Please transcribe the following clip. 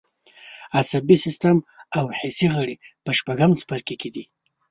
عصبي سیستم او حسي غړي په شپږم څپرکي کې دي.